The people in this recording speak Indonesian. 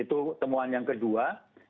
itu temuan yang kedua